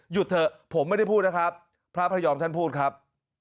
เถอะผมไม่ได้พูดนะครับพระพระยอมท่านพูดครับ